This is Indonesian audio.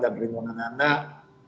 dan perlindungan anak